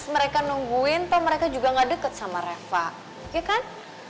mereka nungguin atau mereka juga ga deket sama reva oke kan